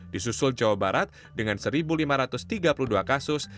di susul jawa barat dengan satu lima ratus tiga puluh dua kasus